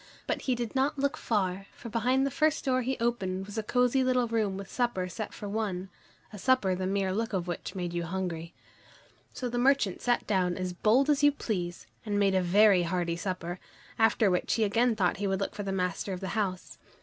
But he did not look far, for behind the first door he opened was a cosy little room with supper set for one, a supper the mere look of which made you hungry. So the merchant sat down as bold as you please, and made a very hearty supper, after which he again thought he would look for the master of the house.